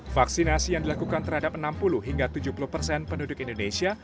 vaksinasi yang dilakukan terhadap enam puluh hingga tujuh puluh persen penduduk indonesia